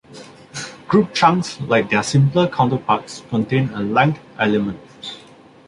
Group chunks, like their simpler counterparts, contain a length element.